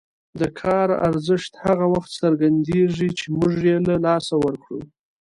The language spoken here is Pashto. د کار ارزښت هغه وخت څرګندېږي چې موږ یې له لاسه ورکړو.